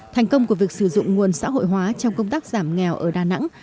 thành công của việc sử dụng nguồn xã hội hóa trong công tác giảm nghèo ở đà nẵng